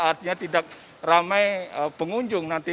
artinya tidak ramai pengunjung nanti